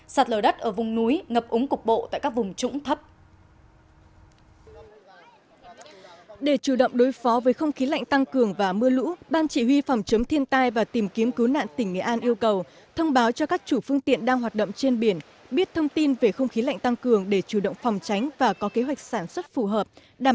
sạt lờ đất ở vùng núi ngập úng cục bộ tại các vùng trũng thấp